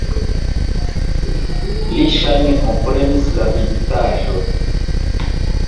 Li ŝajne komprenis la viditaĵon.